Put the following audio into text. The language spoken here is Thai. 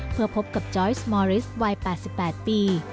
เพื่อพบกับจอยสมอริสวัย๘๘ปี